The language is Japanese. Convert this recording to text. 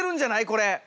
これ。